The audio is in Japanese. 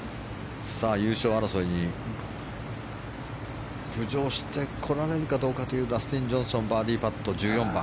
優勝争いに浮上してこられるかどうかというダスティン・ジョンソンバーディーパット、１４番。